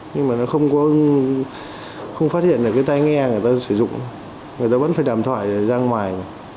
nhưng mà nó không phát hiện được cái tay nghe người ta sử dụng người ta vẫn phải đàm thoại ra ngoài